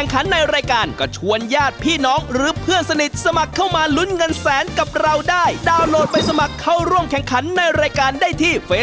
พักความตื่นเต้นกันสักครู่